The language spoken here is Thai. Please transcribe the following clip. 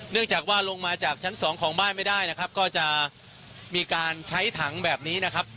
จากว่าลงมาจากชั้นสองของบ้านไม่ได้นะครับก็จะมีการใช้ถังแบบนี้นะครับ